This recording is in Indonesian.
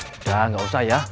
udah gausah ya